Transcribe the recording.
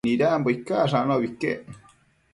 Nidambo icash anobi iquec